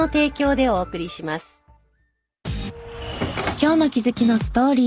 今日の気づきのストーリー。